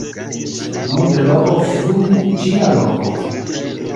Nun de loko flugu ĝi al loko...